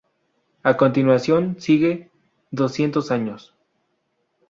A continuación sigue "Doscientos años".